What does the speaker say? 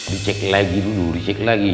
dicek lagi dulu recek lagi